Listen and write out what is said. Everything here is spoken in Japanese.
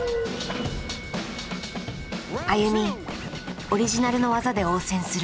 ＡＹＵＭＩオリジナルの技で応戦する。